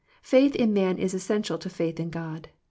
Faith in man is essential to faith in God.